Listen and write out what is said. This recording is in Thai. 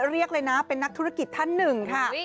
เรียกเลยนะเป็นนักธุรกิจท่านหนึ่งค่ะ